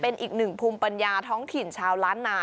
เป็นอีกหนึ่งภูมิปัญญาท้องถิ่นชาวล้านนา